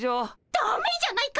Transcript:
だめじゃないか！